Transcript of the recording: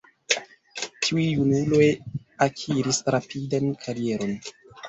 Tiuj junuloj akiris rapidan karieron.